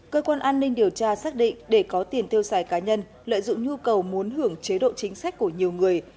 cơ quan an ninh điều tra xác định để có tiền tiêu xài cá nhân lợi dụng nhu cầu muốn hưởng chế độ chính sách của nhiều người